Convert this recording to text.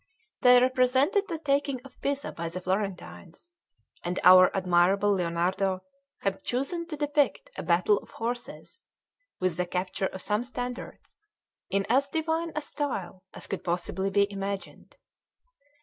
They represented the taking of Pisa by the Florentines; and our admirable Lionardo had chosen to depict a battle of horses, with the capture of some standards, in as divine a style as could possibly be imagined.